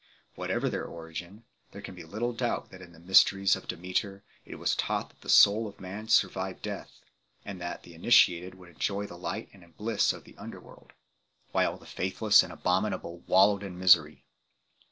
Whatever their origin, there can be little doubt that in the mysteries of Demeter it was taught that the soul of man survived death, and that the initiated would enjoy the light and bliss of the under world, while the faithless and abominable wallowed in misery 2